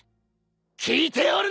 聞いておるのか！